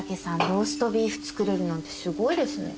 ローストビーフ作れるなんてすごいですね。